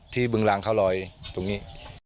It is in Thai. บึงรางเขาลอยตรงนี้